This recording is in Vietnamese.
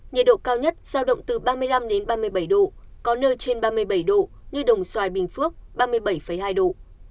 nhiệt độ cao nhất giao động từ ba mươi năm ba mươi bảy độ có nơi trên ba mươi bảy độ như đồng xoài bình phước ba mươi bảy hai độ